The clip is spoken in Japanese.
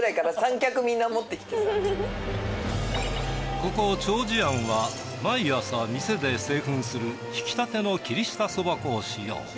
ここ丁子庵は毎朝店で製粉する挽き立ての霧下そば粉を使用。